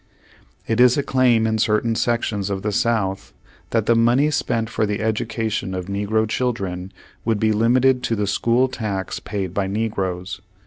It is a claim in certain sections of the South, that the money spent for the education of negro children should be limited to the school tax paid by negroes.